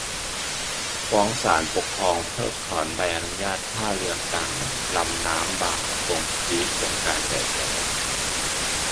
ฟ้องศาลปกครองเพิกถอนใบอนุญาตท่าเรือกลางลำน้ำบางปะกง ชี้โครงการใหญ่แต่ไม่ทำ